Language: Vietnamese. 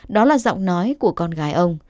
đó là giọng nói của con gái ông